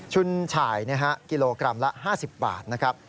ุนฉ่ายกิโลกรัมละ๕๐บาทนะครับ